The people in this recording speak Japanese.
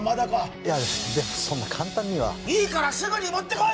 いやでもそんな簡単にはいいからすぐに持ってこい！